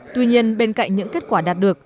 tuy nhiên bên cạnh những kết quả đạt được